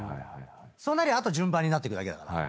そうなりゃあと順番になっていくだけだから。